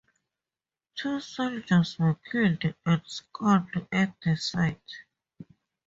Two soldiers were killed and scalped at the site.